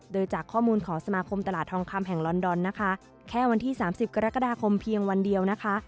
โดยจากข้อมูลของสมาคมตลาดทองคำแห่งลอนดอนนะคะแค่วันที่๓๐กรกฎาคมเพียงวันเดียวนะคะ